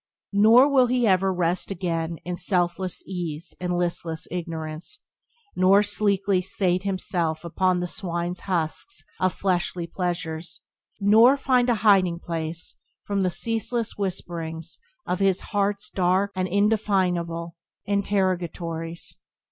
Nor will he ever rest again in selfish ease and listless ignorance; nor sleekly sate himself upon the swine's husks of fleshly pleasures; nor find a hiding place from the ceaseless whisperings of his heart's dark and indefinable interrogatories.